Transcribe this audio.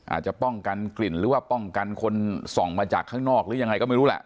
อาจจะป้องกันกลิ่นหรือว่าป้องกันคนส่องมาจากข้างนอกหรือยังไงก็ไม่รู้แหละ